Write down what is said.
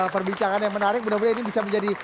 perbincangan yang menarik mudah mudahan ini bisa menjadi